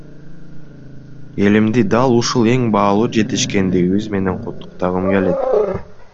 Элимди дал ушул эң баалуу жетишкендигибиз менен куттуктагым келет!